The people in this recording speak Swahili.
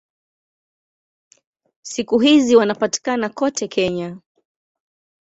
Siku hizi wanapatikana kote Kenya.